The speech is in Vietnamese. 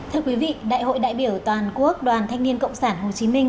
thưa quý vị đại hội đại biểu toàn quốc đoàn thanh niên cộng sản hồ chí minh